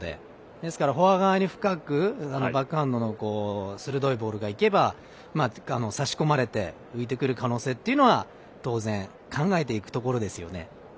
ですから、フォア側に深くバックハンドの鋭いボールがいけばさし込まれて浮いてくる可能性っていうのは当然、考えていくところですよね。